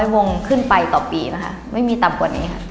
วงขึ้นไปต่อปีนะคะไม่มีต่ำกว่านี้ค่ะ